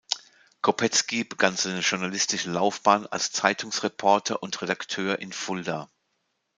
Kopetzky begann seine journalistische Laufbahn als Zeitungsreporter und -redakteur in Fulda.